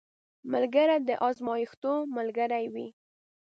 ملګری د ازمېښتو ملګری وي